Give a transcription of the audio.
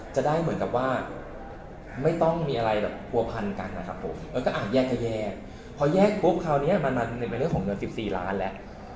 จะได้เหมือนกับว่าไม่ต้องมีอะไรแบบผัวพันกันนะครับผมก็อ่ะแยกก็แยกพอแยกปุ๊บคราวนี้มันเป็นเรื่องของเงิน๑๔ล้านแล้ว